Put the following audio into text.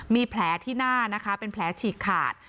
มีแผลที่หน้านะคะเป็นแผลฉีกขาด